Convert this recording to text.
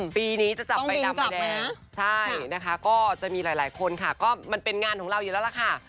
ปีนี้จะจับใบดำใบแดงใช่นะคะก็จะมีหลายคนค่ะก็มันเป็นงานของเราอยู่แล้วล่ะค่ะ